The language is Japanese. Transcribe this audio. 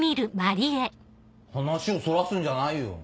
話をそらすんじゃないよ。